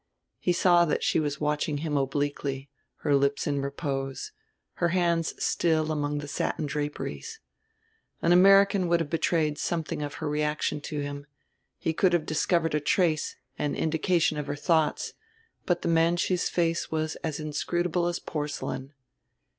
He saw that she was watching him obliquely, her lips in repose, her hands still among the satin draperies. An American would have betrayed something of her reaction to him, he could have discovered a trace, an indication, of her thoughts; but the Manchu's face was as inscrutable as porcelain.